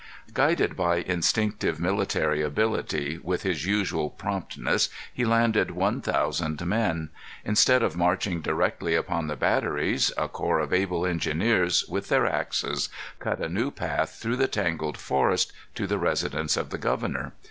Guided by instinctive military ability, with his usual promptness he landed one thousand men. Instead of marching directly upon the batteries, a corps of able engineers, with their axes, cut a new path through the tangled forest to the residence of the governor.